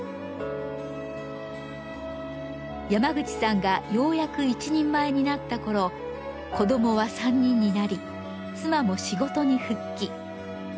山口さんがようやく一人前になったころ子どもは３人になり妻も仕事に復帰。